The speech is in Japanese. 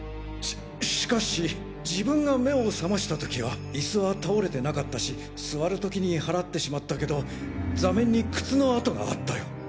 ししかし自分が目を覚ました時は椅子は倒れてなかったし座る時に払ってしまったけど座面に靴の跡があったよ。